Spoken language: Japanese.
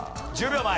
１０秒前。